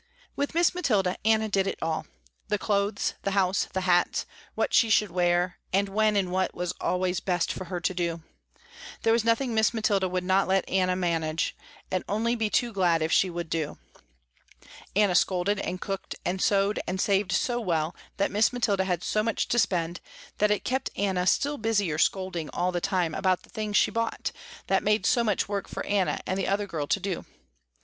With Miss Mathilda Anna did it all. The clothes, the house, the hats, what she should wear and when and what was always best for her to do. There was nothing Miss Mathilda would not let Anna manage, and only be too glad if she would do. Anna scolded and cooked and sewed and saved so well, that Miss Mathilda had so much to spend, that it kept Anna still busier scolding all the time about the things she bought, that made so much work for Anna and the other girl to do.